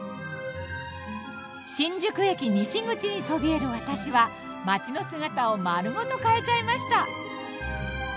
新宿駅西口にそびえる私は街の姿を丸ごと変えちゃいました。